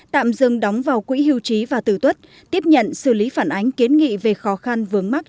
tạm dừng đóng vào quỹ hưu trí và tử tuất tiếp nhận xử lý phản ánh kiến nghị về khó khăn vướng mắt